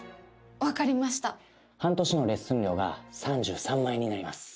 分かりました半年のレッスン料が３３万円になります